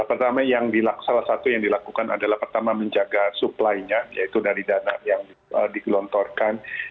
pertama salah satu yang dilakukan adalah pertama menjaga suplainya yaitu dari dana yang dilontorkan